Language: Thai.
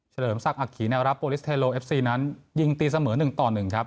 เลิมศักดิ์ขี่แนวรับโปรลิสเทโลเอฟซีนั้นยิงตีเสมอ๑ต่อ๑ครับ